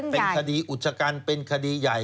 เป็นคดีอุจกรรมเป็นคดีใหญ่